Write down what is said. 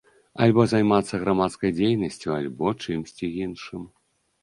Альбо займацца грамадскай дзейнасцю, альбо чымсьці іншым.